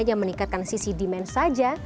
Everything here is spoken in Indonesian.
hanya meningkatkan sisi demand saja